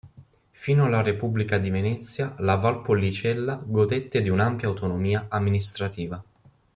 Fino alla repubblica di Venezia la Valpolicella godette di un'ampia autonomia amministrativa.